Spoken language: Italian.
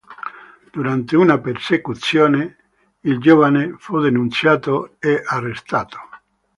Durante una persecuzione contro i cristiani, il giovane fu denunciato e arrestato.